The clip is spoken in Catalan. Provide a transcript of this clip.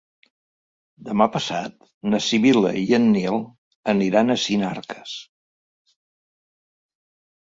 Demà passat na Sibil·la i en Nil aniran a Sinarques.